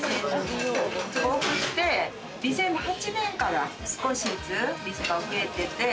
２００８年から少しずつ店が増えてって。